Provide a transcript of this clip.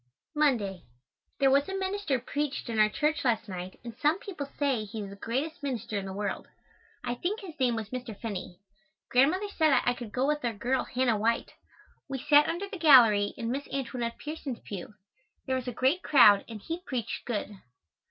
Monday. There was a minister preached in our church last night and some people say he is the greatest minister in the world. I think his name was Mr. Finney. Grandmother said I could go with our girl, Hannah White. We sat under the gallery, in Miss Antoinette Pierson's pew. There was a great crowd and he preached good.